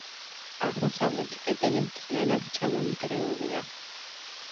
აღმოსავლეთი კედელი მთლიანად ჩამონგრეულია.